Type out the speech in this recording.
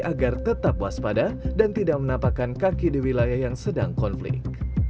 agar tetap waspada dan tidak menapakkan kaki di wilayah yang sedang konflik